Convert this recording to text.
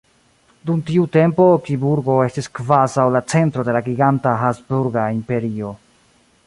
Dum tiu tempo Kiburgo estis kvazaŭ la centro de la giganta habsburga imperio.